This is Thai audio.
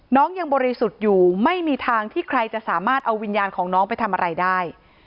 น้องยังบริสุทธิ์อยู่ไม่มีทางที่ใครจะสามารถเอาวิญญาณของน้องไปทำอะไรได้